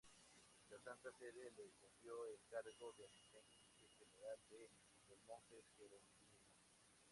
La Santa Sede le confió el cargo de Asistente General de los Monjes Jerónimos.